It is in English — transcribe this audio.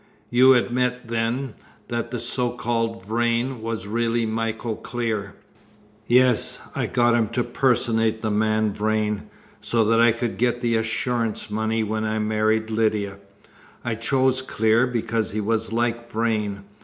"You admit, then, that the so called Vrain was really Michael Clear?" "Yes. I got him to personate the man Vrain, so that I could get the assurance money when I married Lydia. I chose Clear because he was like Vrain.